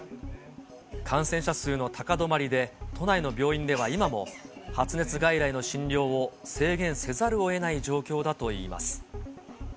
感染者数の高止まりで都内の病院では今も、発熱外来の診療を制限せざるをえない状況だといいます。